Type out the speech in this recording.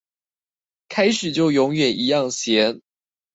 開始就永遠一樣鹹